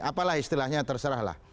apalah istilahnya terserahlah